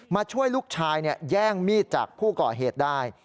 มาช่วยลูกชายแย่งมีดจากผู้ก่อเหตุได้